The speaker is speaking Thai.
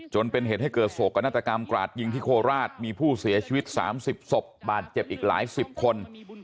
จนเป็นเหตุให้เกิดโศกนาฏกรรมกราดยิงที่โคราชมีผู้เสียชีวิต๓๐ศพบาดเจ็บอีกหลายสิบคน